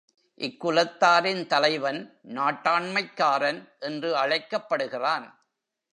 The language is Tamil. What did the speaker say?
இக்குலத்தாரின் தலைவன் நாட்டாண்மைக்காரன் என்று அழைக்கப்படுகிறான்.